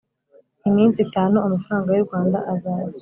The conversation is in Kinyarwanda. iminsi itanu amafaranga y u Rwanda azaza